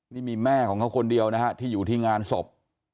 นี่มีแม่ของเขาคนเดียวนะฮะที่อยู่ที่งานศพ